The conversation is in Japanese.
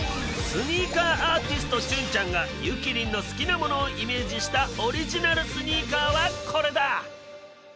スニーカーアーティストちゅんちゃんがゆきりんの好きなものをイメージしたオリジナルスニーカーはこれだ！